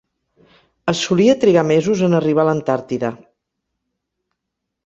Es solia trigar mesos en arriba a l'Antàrtida.